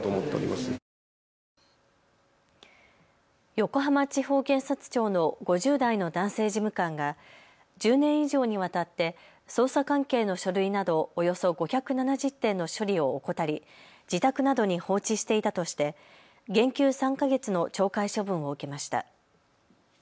横浜地方検察庁の５０代の男性事務官が１０年以上にわたって捜査関係の書類などおよそ５７０点の処理を怠り自宅などに放置していたとして減給３か月の懲戒処分を受けました。